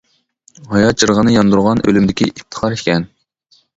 ھايات چىرىغىنى ياندۇرغان ئۆلۈمدىكى ئىپتىخار ئىكەن.